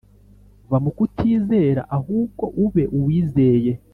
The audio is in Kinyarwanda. va mu kutizera ahubwo ube uwizeye